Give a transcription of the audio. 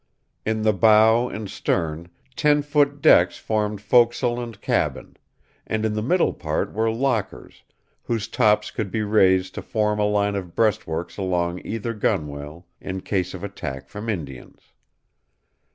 In the bow and stern, ten foot decks formed forecastle and cabin; and in the middle part were lockers, whose tops could be raised to form a line of breastworks along either gunwale, in case of attack from Indians.